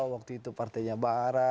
waktu itu partainya bahara